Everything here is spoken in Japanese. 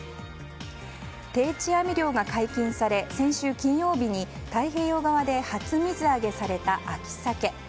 定置網漁が解禁され先週金曜日に太平洋側で初水揚げされた秋サケ。